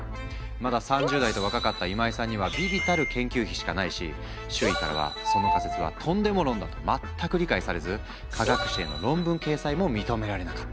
まだ３０代と若かった今井さんには微々たる研究費しかないし周囲からはその仮説はトンデモ論だと全く理解されず科学誌への論文掲載も認められなかった。